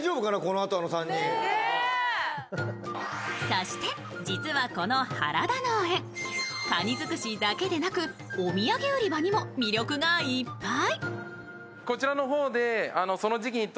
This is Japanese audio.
そして、実はこの原田農園、カニ尽くしだけではなくお土産売り場にも魅力がいっぱい。